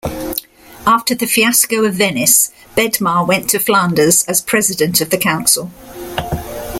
After the fiasco of Venice, Bedmar went to Flanders as president of the council.